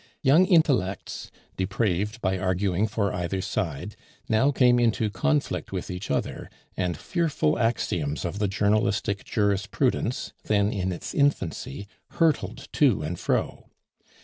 Young intellects, depraved by arguing for either side, now came into conflict with each other, and fearful axioms of the journalistic jurisprudence, then in its infancy, hurtled to and fro.